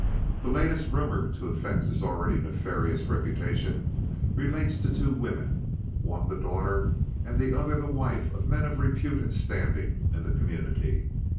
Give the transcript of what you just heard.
The latest rumor to affect his already nefarious reputation relates to two women—one the daughter, and the other the wife, of men of repute and standing in the community.